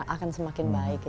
akan semakin baik